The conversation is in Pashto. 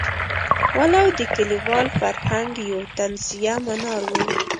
ولو د کلیوال فرهنګ یو طنزیه منار وو.